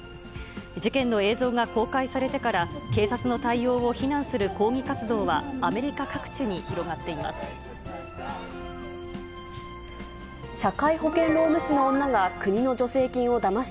事件の映像が公開されてから、警察の対応を非難する抗議活動はアメリカ各地に広がっています。